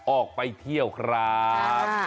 ออกไปเที่ยวครับ